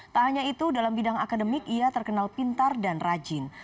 tak hanya itu dalam bidang akademik ia terkenal pintar dan rajin